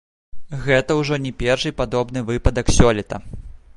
Гэта ўжо не першы падобны выпадак сёлета.